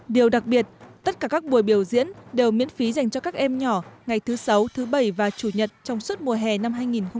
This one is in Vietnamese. điều đặc biệt tất cả các buổi biểu diễn đều miễn phí dành cho các em nhỏ ngày thứ sáu thứ bảy và chủ nhật trong suốt mùa hè năm hai nghìn một mươi chín